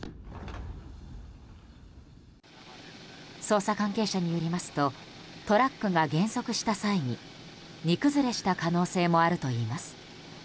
捜査関係者によりますとトラックが減速した際に荷崩れした可能性もあるといいます。